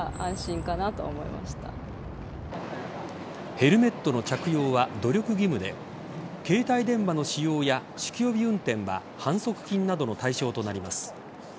ヘルメットの着用は努力義務で携帯電話の使用や酒気帯び運転は反則金などの対象となります。